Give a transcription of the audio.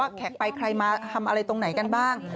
แขกไปใครมาทำอะไรตรงไหนกันบ้าง